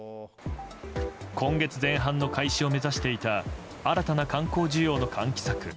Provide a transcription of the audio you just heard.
今月前半の開始を目指していた新たな観光需要の喚起策